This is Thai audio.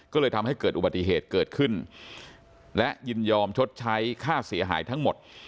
ก็เลยทำให้เกิดอุบัติเหตุเกิดขึ้นและยินยอมชดใช้ค่าเสียหายทั้งหมด